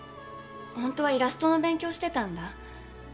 ホントはイラストの勉強してたんだ。